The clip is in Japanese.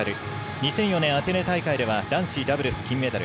２００４年アテネ大会では男子ダブルス金メダル。